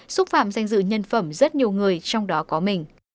xúc phạm danh dự nhân phẩm rất nhiều người trong đó có mình